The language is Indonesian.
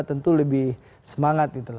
tentu lebih semangat